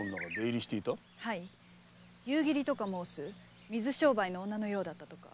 はい夕霧と申す水商売の女のようだったとか。